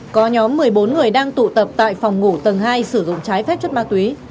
có nhóm một mươi bốn người đang tụ tập tại phòng ngủ tầng hai sử dụng trái phép chất ma túy